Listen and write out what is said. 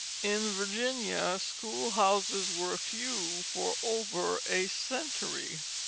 In Virginia schoolhouses were few for over a century.